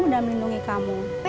dan melindungi kamu